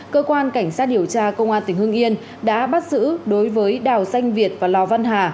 cơ quan cảnh sát điều tra công an tỉnh hưng yên đã bắt giữ đối với đào danh việt và lò văn hà